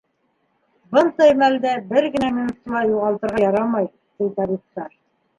Бындай мәлдә бер генә минутты ла юғалтырға ярамай, ти табиптар.